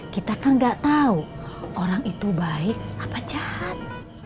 kita kan gak tahu orang itu baik apa jahat